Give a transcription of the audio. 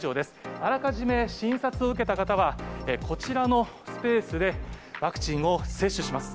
あらかじめ診察を受けた方は、こちらのスペースでワクチンを接種します。